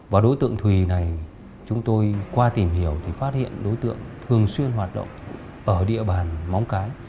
và đối tượng thùy này chúng tôi qua tìm hiểu thì phát hiện đối tượng thường xuyên hoạt động ở địa bàn móng cái